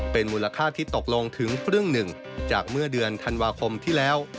เป็นมูลค่าที่ตกลงถึงครึ่งหนึ่งจากเมื่อเดือนธันวาคมที่แล้ว